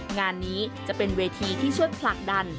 งานนี้จะเป็นเวทีที่ช่วยผลักดัน